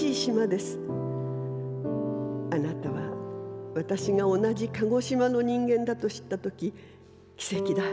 あなたは私が同じ鹿児島の人間だと知ったとき奇跡だ